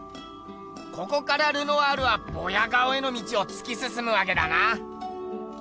ここからルノワールはボヤ顔への道をつきすすむわけだな。